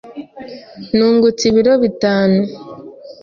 Nungutse ibiro bitanu.